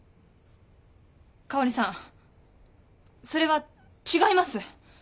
佳織さんそれは違います。